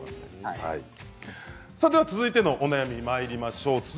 続いてのお悩みにまいりましょう。